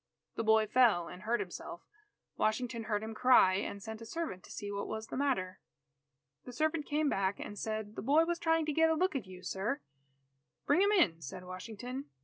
The boy fell and hurt himself. Washington heard him cry, and sent a servant to see what was the matter. The servant came back and said, "The boy was trying to get a look at you, sir." "Bring him in," said Washington.